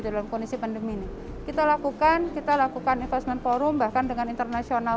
dalam kondisi pandemi ini kita lakukan kita lakukan investment forum bahkan dengan internasional